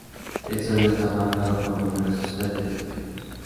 El suelo está marcado por numerosos cráteres pequeños.